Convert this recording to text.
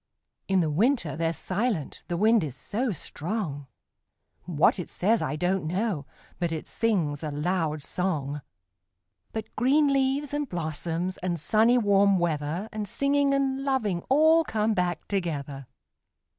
In the winter they're silent the wind is so strong; What it says, I don't know, but it sings a loud song. But green leaves, and blossoms, and sunny warm weather, 5 And singing, and loving all come back together.